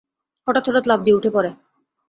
হঠাৎ হঠাৎ লাফ দিয়ে উঠে পরে।